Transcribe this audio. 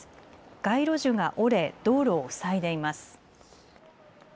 街路樹が折れ道路を塞いでいます。